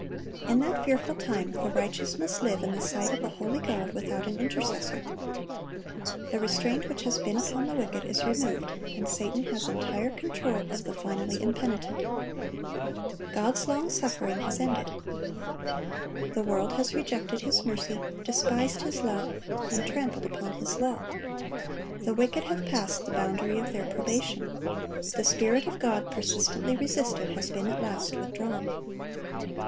In that fearful time the righteous must live in the sight of a holy God without an intercessor. The restraint which has been upon the wicked is removed, and Satan has entire control of the finally impenitent. God's long suffering has ended. The world has rejected His mercy, despised His love, and trampled upon His law. The wicked have passed the boundary of their probation; the Spirit of God, persistently resisted, has been at last withdrawn.